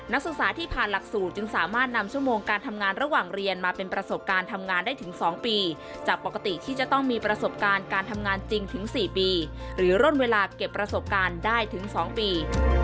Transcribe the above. นักศึกษาที่ผ่านหลักสูตรจึงสามารถนำชั่วโมงการทำงานระหว่างเรียนมาเป็นประสบการณ์ทำงานได้ถึง๒ปีจากปกติที่จะต้องมีประสบการณ์การทำงานจริงถึง๔ปีหรือร่นเวลาเก็บประสบการณ์ได้ถึง๒ปี